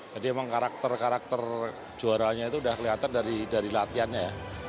jadi memang karakter karakter juaranya itu sudah kelihatan dari latihannya ya